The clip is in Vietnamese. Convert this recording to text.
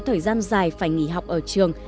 thời gian dài phải nghỉ học ở trường